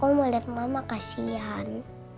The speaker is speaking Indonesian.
aku mau lihat bapak kasihan